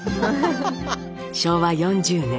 昭和４０年。